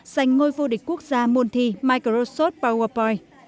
giành ngôi vô địch quốc gia môn thi microsoft powerpoint